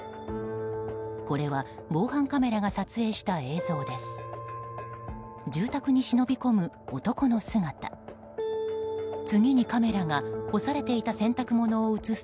これは防犯カメラが撮影した映像です。